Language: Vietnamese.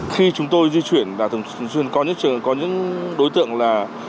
khi chúng tôi di chuyển là thường xuyên có những đối tượng là